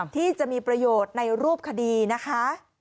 ที่จะมีประโยชน์ในรูปคดีนะคะ